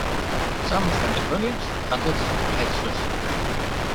Some found it brilliant; others, tasteless.